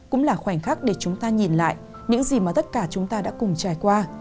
cũng là khoảnh khắc để chúng ta nhìn lại những gì mà tất cả chúng ta đã cùng trải qua